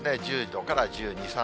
１０度から１２、３度。